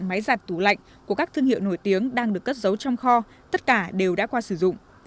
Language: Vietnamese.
máy giặt tủ lạnh của các thương hiệu nổi tiếng đang được cất giấu trong kho tất cả đều đã qua sử dụng